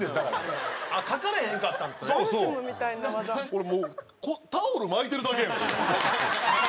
これもうタオル巻いてるだけやん。